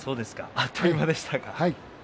あっという間でしたか。